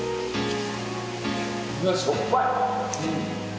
うわしょっぱい！